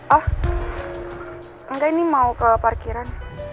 oh enggak ini mau ke parkiran